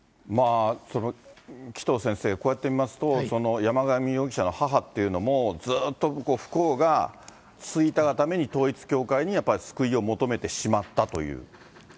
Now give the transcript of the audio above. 紀藤先生、こうやって見ますと、山上容疑者の母っていうのも、ずっと不幸が続いたがために、統一教会にやっぱり救いを求めてしまったという。